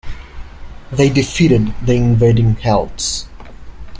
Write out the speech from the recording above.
They defeated the invading Celts.